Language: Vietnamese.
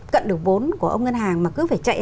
cận được vốn của ông ngân hàng mà cứ phải chạy